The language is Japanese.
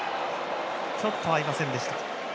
ちょっと合いませんでした。